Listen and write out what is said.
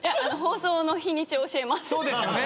そうですよね。